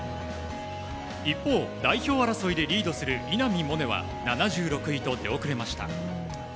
一方、代表争いでリードする稲見萌寧は７６位と出遅れました。